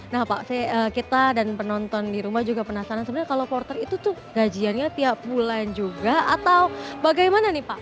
nah pak kita dan penonton di rumah juga penasaran sebenarnya kalau porter itu tuh gajiannya tiap bulan juga atau bagaimana nih pak